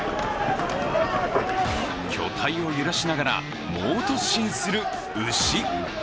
巨体を揺らしながら猛突進する牛。